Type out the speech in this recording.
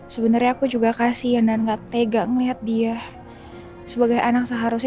sebenarnya aku juga kasihan dan nggak tega ngelihat dia sebagai anak seharusnya